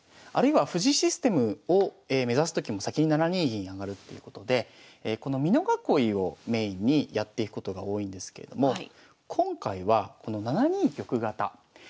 あるいは藤井システムを目指すときも先に７二銀上っていうことでこの美濃囲いをメインにやっていくことが多いんですけれども今回はこの７二玉型。